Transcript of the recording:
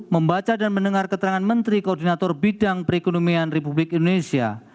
membaca dan mendengar keterangan menteri koordinator bidang perekonomian republik indonesia